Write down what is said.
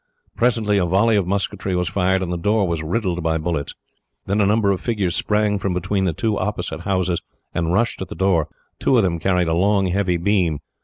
Presently a volley of musketry was fired, and the door was riddled by bullets. Then a number of figures sprang from between the two opposite houses, and rushed at the door. Two of them carried a long, heavy beam.